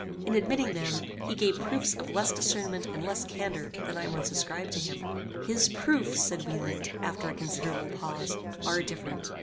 In admitting them, he gave proofs of less discernment and less candor than I once ascribed to him." "His proofs," said Wieland, after a considerable pause, "are different.